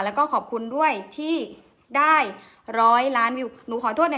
แล้วก็ขอบคุณด้วยที่ได้ร้อยล้านวิวหนูขอโทษหน่อย